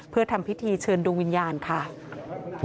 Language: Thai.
เพื่อทำพิธีเชิญดวงวิญญาณค่ะ